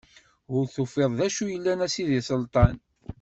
Ur tufiḍ d acu yellan a sidi Selṭan.